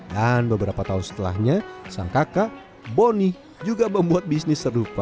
dan beberapa tahun setelahnya sang kakak boni juga membuat bisnis terlupa